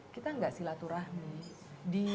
kita gak silaturahmi